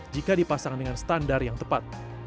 jika dipasang dengan standar yang tepat